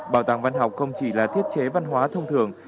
bảo tàng văn học không chỉ là thiết chế văn hóa thông thường